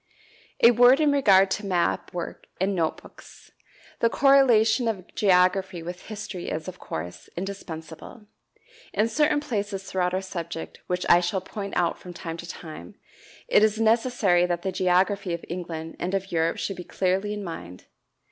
A word in regard to map work and note books. The correlation of geography with history is, of course, indispensable. In certain places throughout our subject, which I shall point out from time to time, it is necessary that the geography of England and of Europe should be clearly in mind.